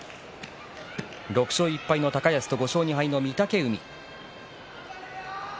６勝１敗の高安と５勝２敗の御嶽海。